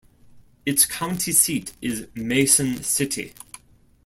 Its county seat is Mason City.